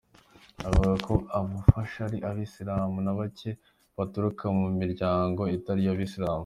Avuga ko abafasha ari abayisilamu, na bake baturuka mu miryango itari iy’abayisilamu.